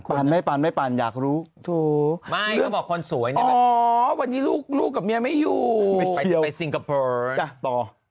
ปั่นไม่ปั่นไม่ปั่นอยากรู้สวยพวกเราก็เมียไม่อยู่ไปซิงกาเปิ๊อร์ต่อ